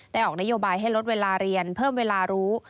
ออกนโยบายให้ลดเวลาเรียนเพิ่มเวลารู้